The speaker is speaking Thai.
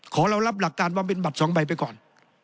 เรารับหลักการว่าเป็นบัตร๒ใบไปก่อน